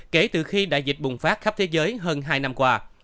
kể từ khi đại dịch bùng phát khắp thế giới hơn hai năm qua